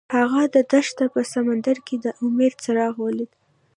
هغه د دښته په سمندر کې د امید څراغ ولید.